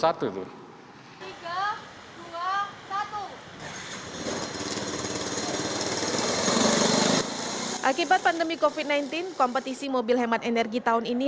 akibat pandemi covid sembilan belas kompetisi mobil hemat energi tahun ini